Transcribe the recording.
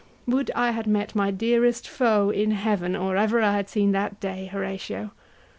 Would I had met my dearest foe in heaven Or ever I had seen that day, Horatio.